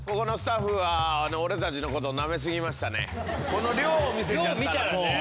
この量を見せちゃったらもう。